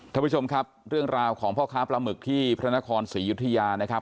ท่านผู้ชมครับเรื่องราวของพ่อค้าปลาหมึกที่พระนครศรียุธยานะครับ